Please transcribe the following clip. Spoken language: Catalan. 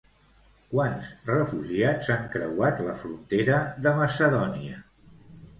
Quants refugiats han creuat la frontera de Macedònia?